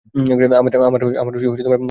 আমার পাশেই ঘুমাচ্ছিল।